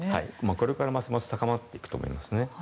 これからますます高まっていくと思いますね。